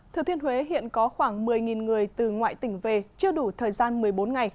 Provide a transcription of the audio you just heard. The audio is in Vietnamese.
thừa thiên huế hiện có khoảng một mươi người từ ngoại tỉnh về chưa đủ thời gian một mươi bốn ngày